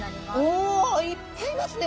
おいっぱいいますね。